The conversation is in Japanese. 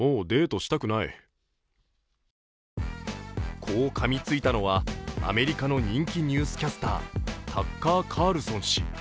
こうかみついたのは、アメリカの人気ニュースキャスター、タッカー・カールソン氏。